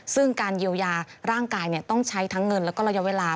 ซึ่งการเยียวยาร่างกายต้องใช้ทั้งเงินแล้วก็ระยะเวลา